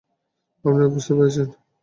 আপনারা বুঝতে পেরেছেন?